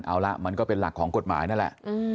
เอาละมันก็เป็นหลักของกฎหมายนั่นแหละ